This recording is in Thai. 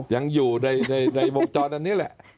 อย่างอยู่ในบวกจอดอันนี้แหละ